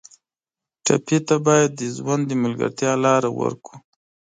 ټپي ته باید د ژوند د ملګرتیا لاره ورکړو.